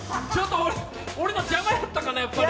俺の邪魔やったかな、やっぱり。